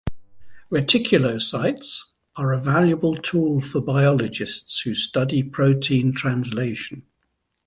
Reticulocytes are a valuable tool for biologists who study protein translation.